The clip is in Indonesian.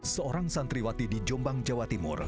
seorang santriwati di jombang jawa timur